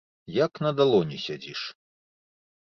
Як на далоні сядзіш.